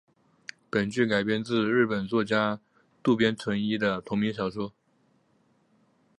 本剧改编自日本作家渡边淳一的同名小说。